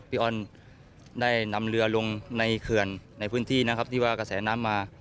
ออนได้นำเรือลงในเขื่อนในพื้นที่นะครับที่ว่ากระแสน้ำมา